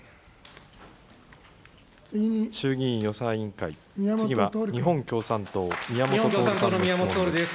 衆議院予算委員会、次は日本共産党、宮本徹さんの質問です。